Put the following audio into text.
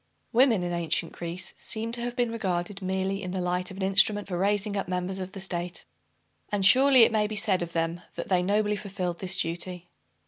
Woman, in ancient Greece, seems to have been regarded merely in the light of an instrument for raising up members of the state. And surely it may be said of them that they nobly fulfilled this duty.